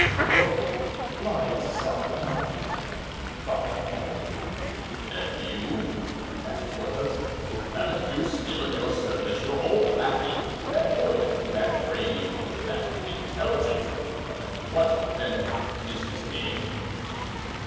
"Oh, blind self love!" thought D'Artagnan. "And you," asked Porthos, "haven't you still in your service your old lackey, that good, that brave, that intelligent— what, then, is his name?"